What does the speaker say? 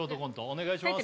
お願いします